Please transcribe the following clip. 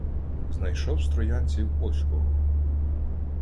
Знайшов з троянців ось кого: